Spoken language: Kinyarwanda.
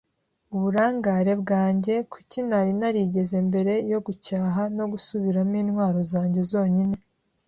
uburangare bwanjye. Kuki ntari narigeze mbere yo gucyaha no gusubiramo intwaro zanjye zonyine?